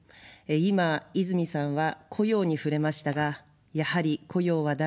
今、泉さんは雇用に触れましたが、やはり雇用は大事ですね。